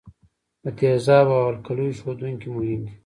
د تیزابو او القلیو ښودونکي مهم دي.